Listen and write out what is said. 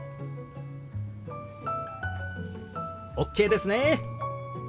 ＯＫですね！